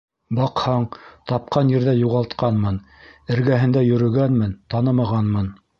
Баҡһаң, тапҡан ерҙә юғалтҡанмын, эргәһендә йөрөгәнмен - танымағанмын.